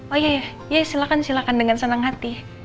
oh iya ya ya silahkan silahkan dengan senang hati